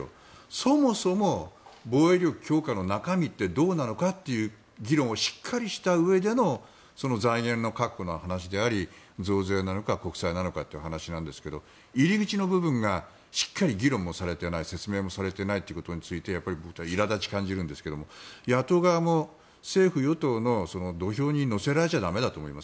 そもそも防衛力強化の中身ってどうなのかという議論をしっかりしたうえでの財源の確保の話であり増税なのか国債なのかって話なんですが入り口の部分がしっかり議論がされていない説明がされていないことについて僕はいら立ちを感じるんですけど野党側も政府・与党の土俵に乗せられちゃ駄目だと思います。